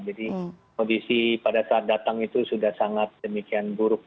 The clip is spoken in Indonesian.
jadi kondisi pada saat datang itu sudah sangat demikian buruk